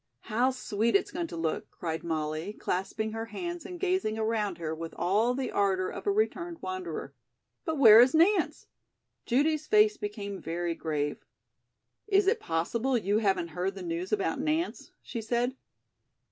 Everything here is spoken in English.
"How sweet it's going to look," cried Molly, clasping her hands and gazing around her with all the ardor of a returned wanderer. "But where is Nance?" Judy's face became very grave. "Is it possible you haven't heard the news about Nance?" she said.